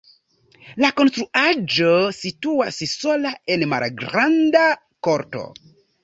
La konstruaĵo situas sola en malgranda korto.